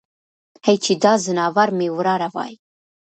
هی چې دا ځناور مې وراره وای.